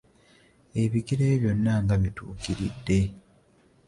Ebigere bye byonna nga bituukiridde.